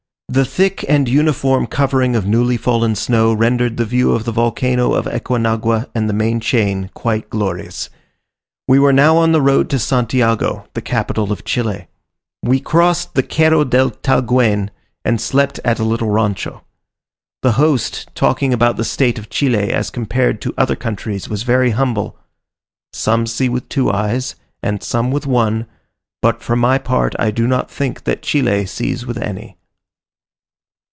The thick and uniform covering of newly fallen snow rendered the view of the volcano of Aconcagua and the main chain quite glorious. We were now on the road to Santiago, the capital of Chile. We crossed the Cerro del Talguen, and slept at a little rancho. The host, talking about the state of Chile as compared to other countries, was very humble: "Some see with two eyes, and some with one, but for my part I do not think that Chile sees with any."